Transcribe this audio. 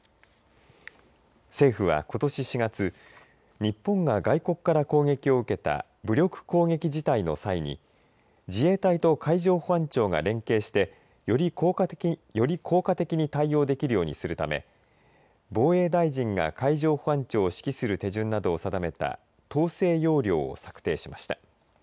政府はことし４月日本が外国から攻撃を受けた武力攻撃事態の際に自衛隊と海上保安庁が連携してより効果的に対応できるようにするため防衛大臣が海上保安庁を指揮する手順などを定めた統制要領を策定しました。